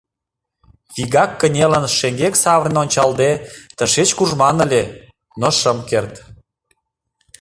Вигак кынелын, шеҥгек савырнен ончалде, тышеч куржман ыле, но шым керт.